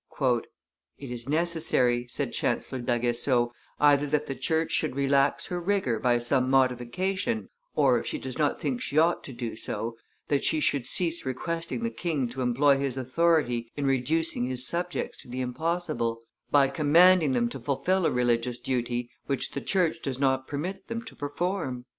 "It is necessary," said Chancellor d'Aguesseau, "either that the church should relax her vigor by some modification, or, if she does not think she ought to do so, that she should cease requesting the king to employ his authority in reducing his subjects to the impossible, by commanding them to fulfil a religious duty which the church does not permit them to perform."